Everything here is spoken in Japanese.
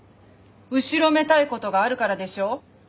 後ろめたいことがあるからでしょう？